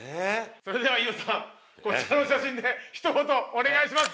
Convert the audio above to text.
それでは飯尾さんこちらの写真で一言お願いします。